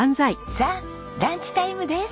さあランチタイムです。